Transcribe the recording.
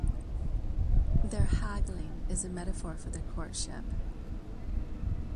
Their haggling is a metaphor for their courtship.